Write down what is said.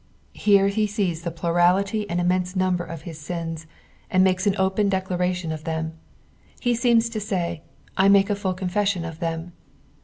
Here he Beea the plurality nnil iDUDenst) number of hia stna, and makea open deekration of them. He v vvma to eay, I make a full coafeseion of them.